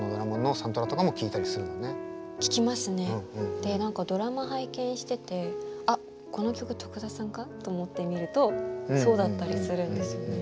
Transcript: で何かドラマ拝見してて「あっこの曲得田さんか？」と思って見るとそうだったりするんですよね。